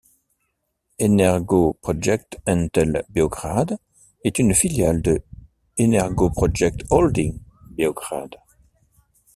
Energoprojekt Entel Beograd est une filiale de Energoprojekt holding Beograd.